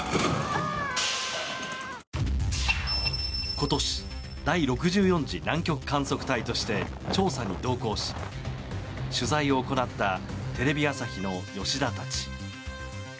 今年第６４次南極観測隊として調査に同行し、取材を行ったテレビ朝日の吉田たち。